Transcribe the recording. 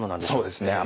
そうですね。